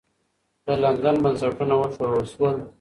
د لندن بنسټونه وښورول سول.